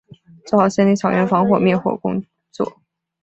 做好森林草原防灭火工作